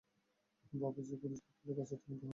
বাবুর্চি, পুলিশ এবং ক্যাপ্টেনদের কাছে তিনি বহুল পরিচিত।